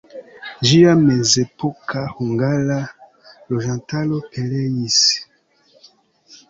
Ĝia mezepoka hungara loĝantaro pereis.